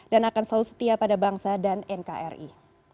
dan akan selalu setia pada bangsa dan nkri